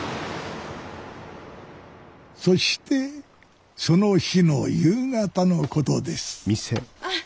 そしてその日の夕方のことですあっ